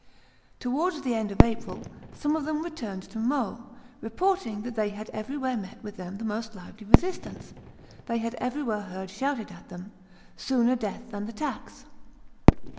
Towards the end of April some of them returned to Meaux, reporting that they had everywhere met with the most lively resistance; they had everywhere heard shouted at them, "Sooner death than the tax."